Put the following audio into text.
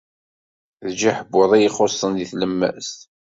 D jiḥbuḍ i ixussen deg tlemmast.